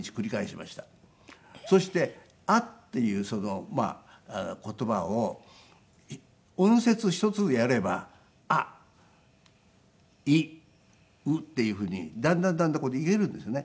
そして「あ」っていうその言葉を音節１つやれば「あいう」っていうふうにだんだんだんだんこうやって言えるんですよね。